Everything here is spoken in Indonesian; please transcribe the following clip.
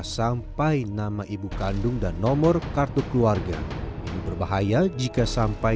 sampai nama ibu kandung dan nomornya tidak dikenal